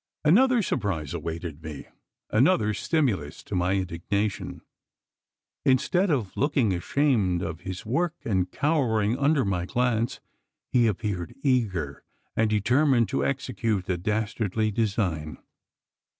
Another surprise awaited me another stimulus to my indignation. Instead of looking ashamed of his work, and cowering under my glance, he appeared eager and determined to execute the dastardly design.